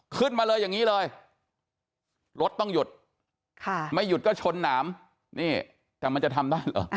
ขึ้นมาเลยอย่างนี้เลยรถต้องหยุดไม่หยุดก็ชนหนามนี่แต่มันจะทำได้เหรอ